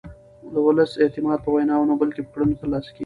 د ولس اعتماد په ویناوو نه بلکې په کړنو ترلاسه کېږي